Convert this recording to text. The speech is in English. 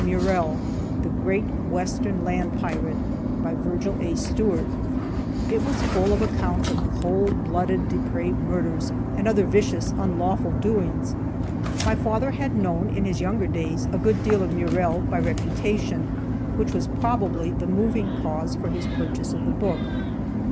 Murrell, the Great Western Land Pirate," by Virgil A. Stewart. It was full of accounts of cold blooded, depraved murders, and other vicious, unlawful doings. My father had known, in his younger days, a good deal of Murrell by reputation, which was probably the moving cause for his purchase of the book.